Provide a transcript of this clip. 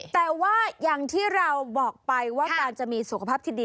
แต่ว่าอย่างที่เราบอกไปว่าการจะมีสุขภาพที่ดี